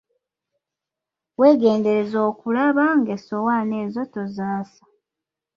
Weegendereze okulaba ng'essowaani ezo tozaasa.